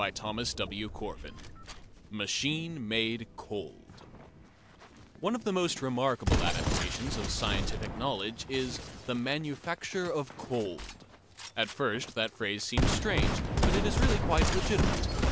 CHAPTER V MACHINE MADE COLD One of the most remarkable adaptations of scientific knowledge is the "manufacture of cold." At first that phrase seems strange, but it is really quite legitimate.